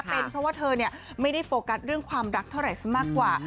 เป็นเพราะว่าเธอไม่ได้โฟกัสเรื่องความรักเท่าไหรซะมากกว่า